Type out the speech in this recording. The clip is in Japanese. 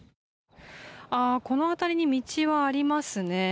この辺りに道はありますね。